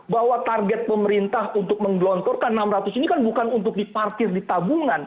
bahwa target pemerintah untuk menggelontorkan enam ratus ini kan bukan untuk diparkir di tabungan